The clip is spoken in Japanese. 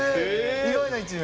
意外な一面。